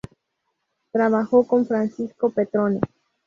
Trabajó con Francisco Petrone.